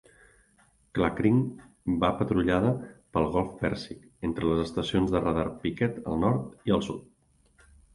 "Klakring" va patrullada pel golf Pèrsic entre les estacions de radar Picket al nord i al sud.